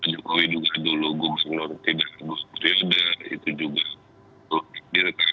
juga dulu gubernur tidak berperiode itu juga